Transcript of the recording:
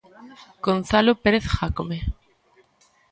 Gonzalo Pérez Jácome.